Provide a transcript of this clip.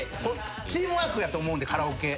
チームワークやと思うんでカラオケ。